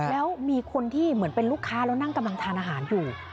แล้วมีคนที่เหมือนเป็นลูกค้าแล้วนั่งกำลังทานอาหารอยู่